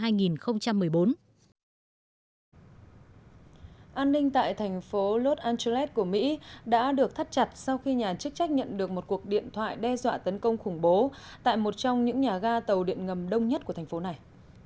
an ninh tại thành phố los angeles của mỹ đã được thắt chặt sau khi nhà chức trách nhận được một cuộc điện thoại đe dọa tấn công khủng bố tại một trong những nhà ga tàu điện ngầm đông nhất của thành phố này